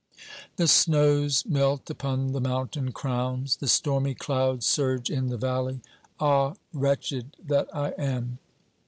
The snows melt upon the mountain crowns ; the stormy clouds surge in the valley. Ah, wretched that I am